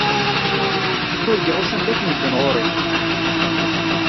Urgaɣ usan-d akk medden ɣur-i.